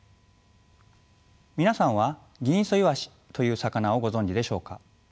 皆さんはギンイソイワシという魚をご存じでしょうか？